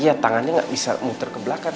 iya tangannya nggak bisa muter ke belakang